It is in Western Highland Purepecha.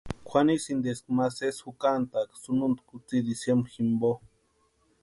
Kwʼanisïnti eska ma sési jukantaaka sununta kutsï diciembre jimpo.